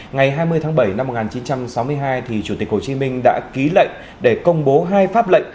ngày hai mươi tháng bảy năm một nghìn chín trăm sáu mươi hai chủ tịch hồ chí minh đã ký lệnh để công bố hai pháp lệnh